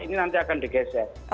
ini nanti akan digeser